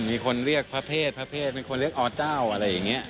มีคนเรียกพระเพศพระเพศเป็นคนเรียกอเจ้าอะไรอย่างนี้